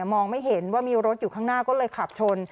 มองไม่เห็นว่ามีรถอยู่ข้างหน้าก็เลยขับชน